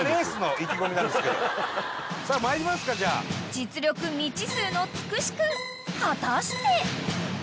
［実力未知数のつくし君果たして？］